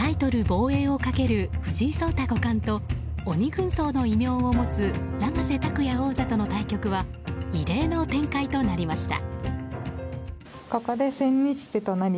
防衛をかける藤井聡太五冠と鬼軍曹の異名を持つ永瀬拓矢王座との対局は異例の展開となりました。